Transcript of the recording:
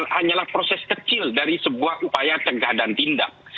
hanyalah proses kecil dari sebuah upaya cegah dan tindak